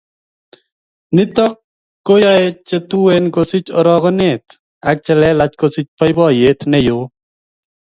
Nito koyoei chetuen kosich orogenet ak che lelach kosich boiboiyet neo